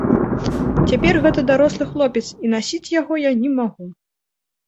Цяпер гэта дарослы хлопец, і насіць яго я не магу.